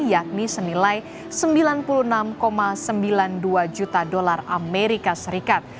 yakni senilai sembilan puluh enam sembilan puluh dua juta dolar amerika serikat